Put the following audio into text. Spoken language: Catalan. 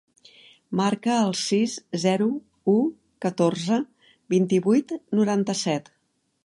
Marca el sis, zero, u, catorze, vint-i-vuit, noranta-set.